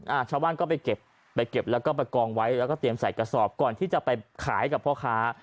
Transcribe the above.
ชาวบ้านก็ไปเก็บไปเก็บแล้วก็ประกองไว้แล้วก็เตรียมใส่กระสอบก่อนที่จะไปขายกับพ่อค้า